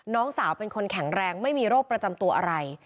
น้องสาวเป็นคนแข็งแรงไม่มีโรคประจำตัวอะไร